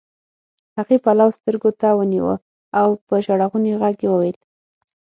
هغې پلو سترګو ته ونيوه او په ژړغوني غږ يې وويل.